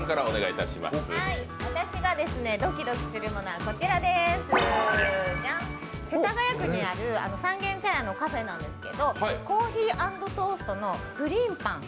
私がドキドキするものは世田谷区にある三軒茶屋のカフェなんですけどＣｏｆｆｅｅａｎｄＴｏａｓｔのプリンパン。